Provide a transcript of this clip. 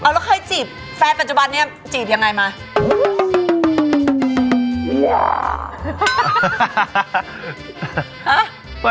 แล้วเคยจีบแฟนปัจจุบันนี้จีบยังไงมา